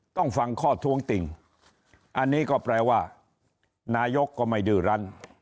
ต้องฟังข้อท้วงติ่งอันนี้ก็แปลว่านายกก็ไม่ดื้อรัน